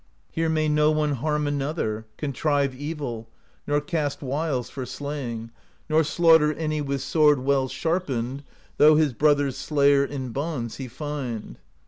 'Here may no one Harm another, Contrive evil, Nor cast wiles for slaying, Nor slaughter any With sword well sharpened. Though his brother's slayer In bonds he find.'